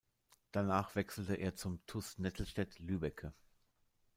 Danach wechselte er zum TuS Nettelstedt-Lübbecke.